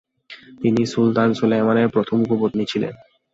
তিনি সুলতান সুলেমানের প্রথম উপপত্নী ছিলেন।